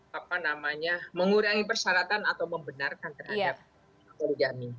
tapi itu memang mengurangi persyaratan atau membenarkan terhadap poligami